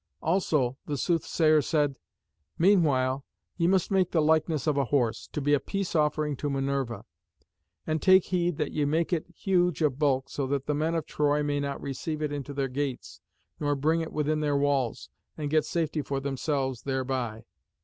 Also the soothsayer said, 'Meanwhile ye must make the likeness of a Horse, to be a peace offering to Minerva. And take heed that ye make it huge of bulk, so that the men of Troy may not receive it into their gates, nor bring it within their walls, and get safety for themselves thereby.